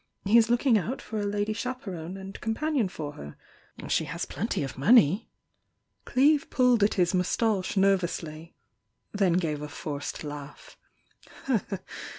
He is looking out for a lady chaperone and companion for her, — she has plenty of money." Cleeve pulled at his moustache nervously— then gave a forced laugh.